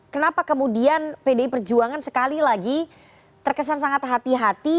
kenapa kemudian pdi perjuangan sekali lagi terkesan sangat hati hati